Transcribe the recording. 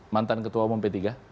mantan ketua umum p tiga